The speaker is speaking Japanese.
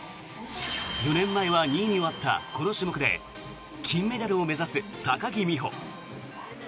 ４年前は２位に終わったこの種目で金メダルを目指す高木美帆。